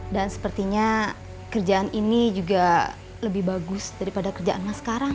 dan sepertinya kerjaan ini juga lebih bagus daripada kerjaan mas sekarang